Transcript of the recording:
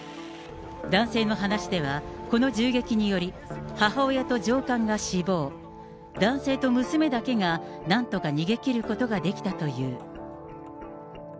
男性の話では、この銃撃により、母親と上官が死亡、男性と娘だけがなんとか逃げきることができたという。